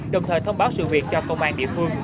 đồng thời thông báo sự việc cho công an địa phương